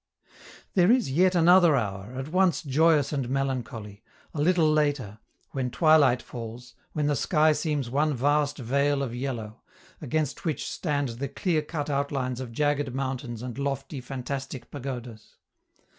There is yet another hour, at once joyous and melancholy, a little later, when twilight falls, when the sky seems one vast veil of yellow, against which stand the clear cut outlines of jagged mountains and lofty, fantastic pagodas.